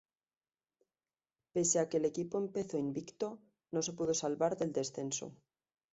Pese a que el equipo empezó invicto, no se pudo salvar del descenso.